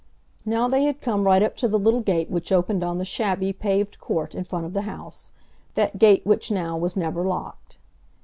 Now they had come right up to the little gate which opened on the shabby, paved court in front of the house—that gate which now was never locked.